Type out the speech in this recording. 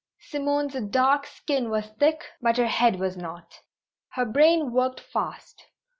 Simone's dark skin was thick, but her head was not. Her brain worked fast.